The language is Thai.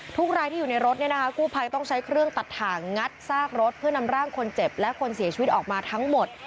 ทุกรายที่อยู่ในรถกู้ภัยต้องใช้เครื่องตัดถ่างงัดซากรถเพื่อนำร่างคนเจ็บและคนเสียชีวิตออกมาทั้งหมด